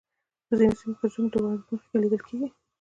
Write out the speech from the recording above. په ځینو سیمو کې زوم د واده مخکې لیدل کیږي.